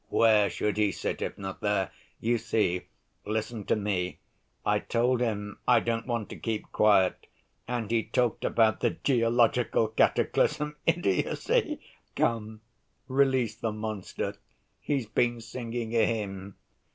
Where should he sit if not there? You see, listen to me. I told him I don't want to keep quiet, and he talked about the geological cataclysm ... idiocy! Come, release the monster ... he's been singing a hymn.